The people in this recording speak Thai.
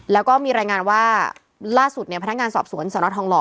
แล้วก็มีรายงานว่าล่าสุดเนี่ยพนักงานสอบสวนสนทองหล่อ